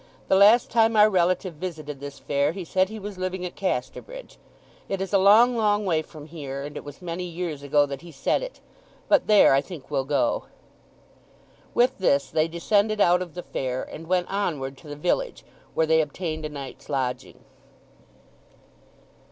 "The last time our relative visited this fair he said he was living at Casterbridge. It is a long, long way from here, and it was many years ago that he said it, but there I think we'll go." With this they descended out of the fair, and went onward to the village, where they obtained a night's lodging.